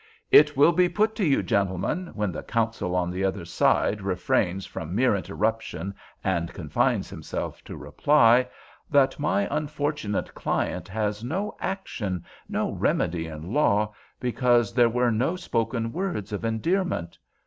"It will be put to you, gentlemen, when the counsel on the other side refrains from mere interruption and confines himself to reply, that my unfortunate client has no action—no remedy at law—because there were no spoken words of endearment.